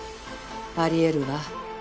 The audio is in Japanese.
あり得るわ。